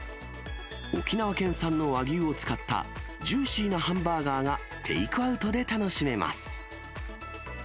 沖縄県産の和牛を使ったジューシーなハンバーガーがテイクアウトで楽しめます。